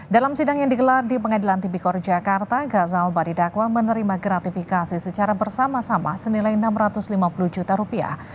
dalam sidang yang digelar di pengadilan tipikor jakarta gazal ba didakwa menerima gratifikasi secara bersama sama senilai enam ratus lima puluh juta rupiah